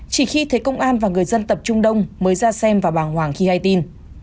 chỉ khi thấy công an và người dân tập trung đông mới ra xem và bàng hoàng khi hay tin